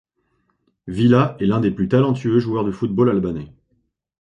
Vila est l'un des plus talentueux joueur de football albanais.